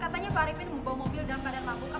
katanya pak ariefin membawa mobil dalam badan mabuk